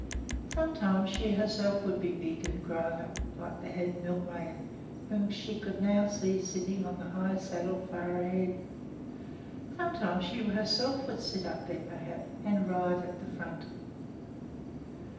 Sometime she herself would be big and grown up, like the head milkmaid, whom she could now see sitting on the high saddle far ahead. Sometime she herself would sit up there, perhaps, and ride at the front.